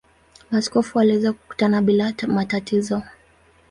Maaskofu waliweza kukutana bila matatizo.